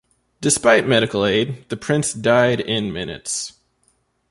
Despite medical aid, the prince died in minutes.